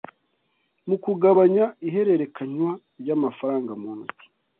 mu kugabanya ihererekanywa ry’amafaranga mu ntoki.